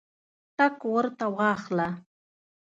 ټګ ورته واخله.